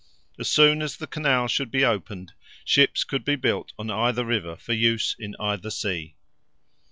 As soon as the canal should be opened, ships could be built on either river for use in either sea.